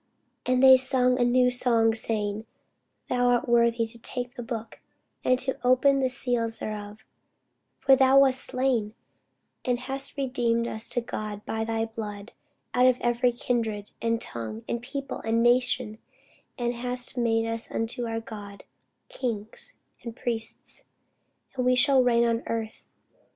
And they sung a new song, saying, Thou art worthy to take the book, and to open the seals thereof: for thou wast slain, and hast redeemed us to God by thy blood out of every kindred, and tongue, and people, and nation; and hast made us unto our God kings and priests: and we shall reign on the earth.